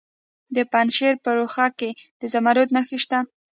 د پنجشیر په روخه کې د زمرد نښې شته.